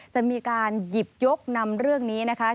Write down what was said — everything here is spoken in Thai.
จะมีการหยิบยกนำเรื่องนี้นะคะ